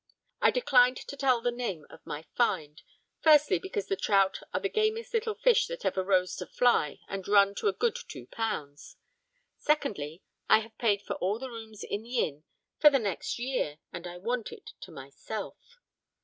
I decline to tell the name of my find, firstly because the trout are the gamest little fish that ever rose to fly and run to a good two pounds. Secondly, I have paid for all the rooms in the inn for the next year, and I want it to myself.